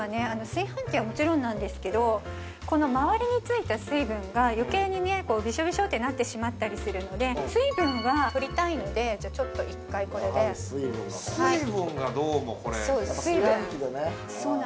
炊飯器はもちろんなんですけどこの周りについた水分がよけいにねびしょびしょってなってしまったりするので水分は取りたいのでちょっと１回これで水分がどうもこれ炊飯器がね